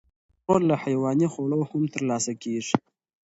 کلسترول له حیواني خوړو هم تر لاسه کېږي.